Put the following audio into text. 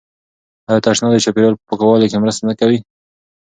آیا تشناب د چاپیریال په پاکوالي کې مرسته نه کوي؟